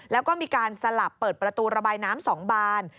แล้วก็มีการสลับเปิดประตูระบายน้ำ๒บาน